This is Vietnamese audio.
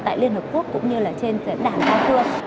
tại liên hợp quốc cũng như là trên cái đảng đa phương